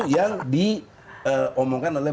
yang di omongkan oleh